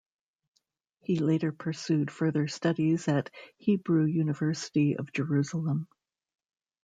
He later pursued further studies at Hebrew University of Jerusalem.